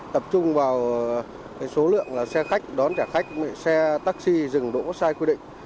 tập trung vào số lượng xe khách đón trả khách xe taxi dừng đỗ sai quy định